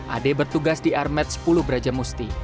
ade bertugas di armet sepuluh braja musti